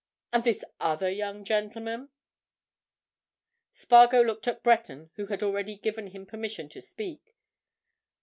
And this other young gentleman?" Spargo looked at Breton, who had already given him permission to speak.